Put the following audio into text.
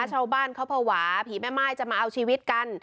ชาวบ้านเขาภาวะผีแม่ม่ายจะมาเอาชีวิตกัน